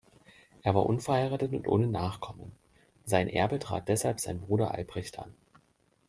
Er war unverheiratet und ohne Nachkommen, sein Erbe trat deshalb sein Bruder Albrecht an.